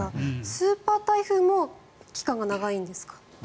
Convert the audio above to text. スーパー台風も期間が長いんですか？